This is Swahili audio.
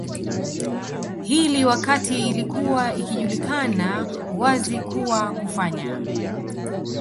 hili wakati ilikuwa ikijulikana wazi kuwa kufanya